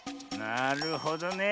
なるほどね。